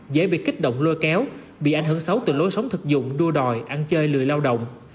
dễ bị kích động lôi kéo bị ảnh hưởng xấu từ lối sống thực dụng đua đòi ăn chơi lười lao động